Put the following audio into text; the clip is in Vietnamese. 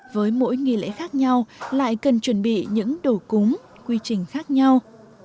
với mỗi nghi lễ khác nhau lại cần chuẩn bị những đồ cúng quy trình khác nhau